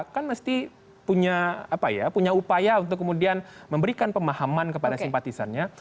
kan mesti punya upaya untuk kemudian memberikan pemahaman kepada simpatisannya